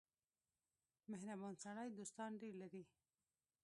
• مهربان سړی دوستان ډېر لري.